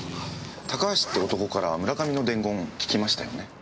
高橋って男から村上の伝言聞きましたよね？